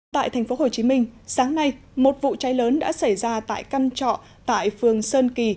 tại tp hcm sáng nay một vụ cháy lớn đã xảy ra tại căn trọ tại phường sơn kỳ